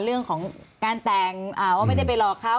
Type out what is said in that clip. เรื่องของการแต่งว่าไม่ได้ไปหลอกเขา